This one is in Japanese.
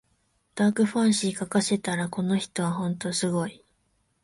ダークファンタジー書かせたらこの人はほんとすごい